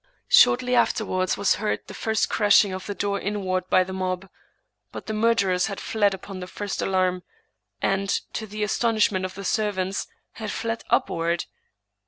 Shortly afterwards was heard the first crashing of the door inward by the mob ; but the murder ers had fled upon the first alarm, and, to the astonishment of the servants, had fled upward.